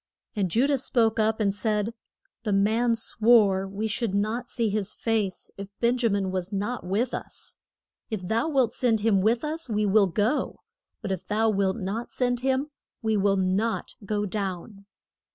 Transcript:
And Ju dah spoke up and said, The man swore we should not see his face if Ben ja min was not with us. If thou wilt send him with us we will go; but if thou wilt not send him we will not go down.